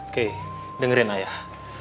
kay dengerin ayah